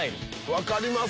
分かります！